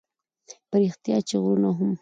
په رښتیا چې غرونه هم